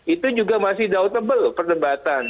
itu juga masih doutable perdebatan